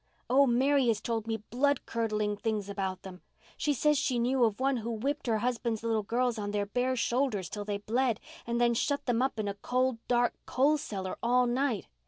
Oh, Mary has told me blood curdling things about them. She says she knew of one who whipped her husband's little girls on their bare shoulders till they bled, and then shut them up in a cold, dark coal cellar all night.